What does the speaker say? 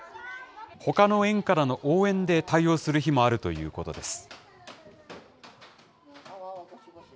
ほかの園からの応援で対応する日もあるということです。